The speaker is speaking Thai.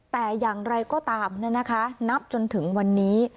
แต่อย่างไรก็ตามนับจนถึงวันนี้